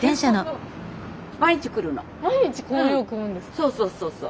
そうそうそうそう。